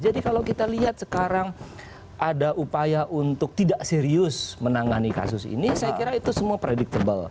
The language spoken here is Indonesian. jadi kalau kita lihat sekarang ada upaya untuk tidak serius menangani kasus ini saya kira itu semua predictable